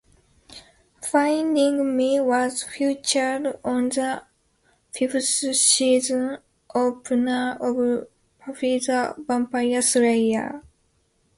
"Finding Me" was featured on the fifth Season opener of "Buffy the Vampire Slayer".